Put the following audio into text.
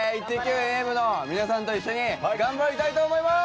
遠泳部の皆さんと一緒に頑張りたいと思います。